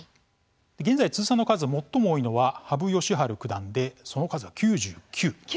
現在、通算の数、最も多いのは羽生善治九段でその数は９９。